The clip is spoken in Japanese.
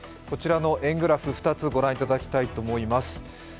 こちらの円グラフ、２つ御覧いただきたいと思います。